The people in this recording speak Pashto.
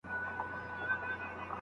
د مسودې کتل شاګرد ته د بحث موقع ورکوي.